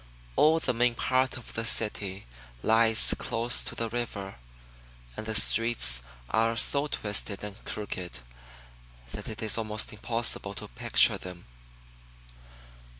All the main part of the city lies close to the river, and the streets are so twisted and crooked that it is almost impossible to picture them.